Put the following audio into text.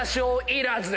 いらず！